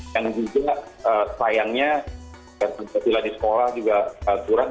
yang juga sayangnya pancasila di sekolah juga kurang